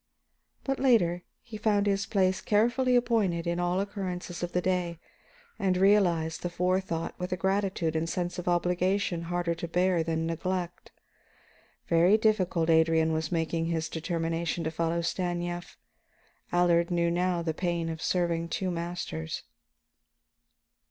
But later he found his place carefully appointed in all the occurrences of the day, and realized the forethought with a gratitude and sense of obligation harder to bear than neglect. Very difficult Adrian was making his determination to follow Stanief; Allard knew now the pain of serving two masters.